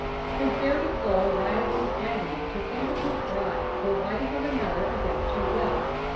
His very soul writhed in agony to think of his bride the wife of another against her will.